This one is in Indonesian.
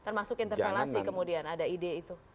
termasuk interpelasi kemudian ada ide itu